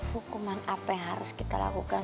hukuman apa yang harus kita lakukan